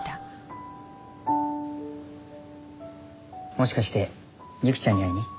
もしかしてユキちゃんに会いに？